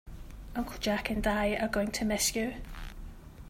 Uncle Jack and I are going to miss you.